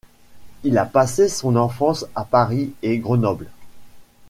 Il a passé son enfance à Paris et Grenoble.